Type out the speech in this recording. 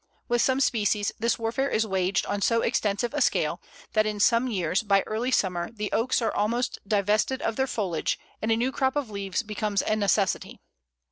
With some species this warfare is waged on so extensive a scale, that in some years by early summer the Oaks are almost divested of their foliage, and a new crop of leaves becomes a necessity.